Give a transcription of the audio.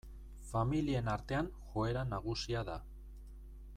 Familien artean joera nagusia da.